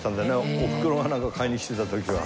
お袋がなんか買いに来てた時は。